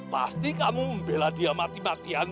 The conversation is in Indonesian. pasti kamu membelah dia kematian